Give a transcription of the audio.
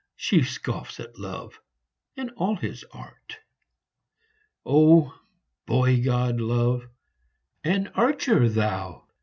She scoffs at Love and all his art ! Oh, boy god, Love ! An archer thou